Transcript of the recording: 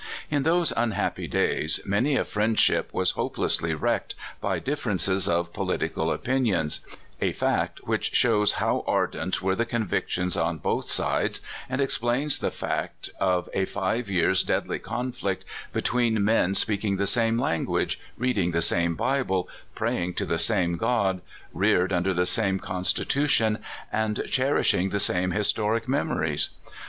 In those unhappy days, many a friendship Avas hopelessly wrecked by differences of political opinion — a fact which shows how ardent were the convictions on both sides, and explains the fact of a five years' deadly conflict between men speaking the same language, reading the same Bible, praying to the same God, reared under the same cous^tution, and cherishing the same histoiic memories.